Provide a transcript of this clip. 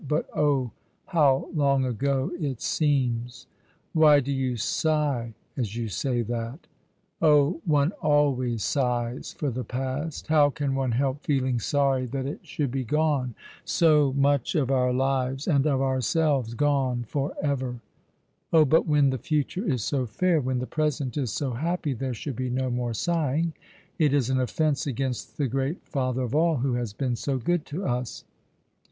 " But oh, how long ago it seems !"" Why do you sigh as you say that ?"" Oh, one always sighs for the past ! How can one help feeling sorry that it should be gone — so much of our lives and of ourselves gone for ever ?"" Oh, but when the future is so fair, when the present is so happy, there should be no more sighing. It is an offence against the Great Father of all, who has been so good to us."